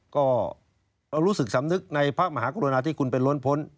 ก็เรารู้สึกสำนึกในพระมหากรุณาที่คุณเป็นล้นพ้น